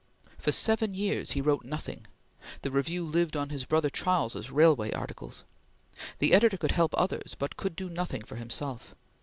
For seven years he wrote nothing; the Review lived on his brother Charles's railway articles. The editor could help others, but could do nothing for himself.